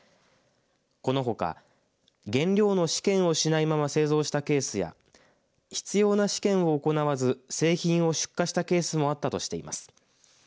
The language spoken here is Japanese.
このほか原料の試験をしないまま製造したケースや必要な試験を行わず製品を出荷したケースもあったとしています。